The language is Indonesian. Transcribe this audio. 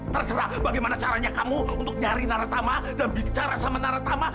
terserah bagaimana caranya kamu untuk nyari nara tama dan bicara sama nara tama